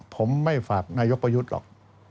ผมไม่ฝากนายกประยุทธ์หรอก